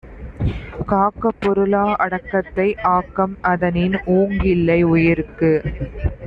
காக்க பொருளா அடக்கத்தை ஆக்கம் அதனின் உங்கு இல்லை உயிர்க்கு.